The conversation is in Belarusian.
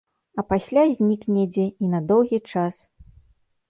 А пасля знік недзе, і на доўгі час.